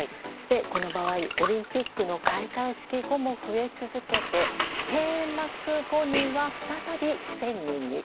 この場合オリンピックの開会式後も増え続けて閉幕後には再び１０００人に。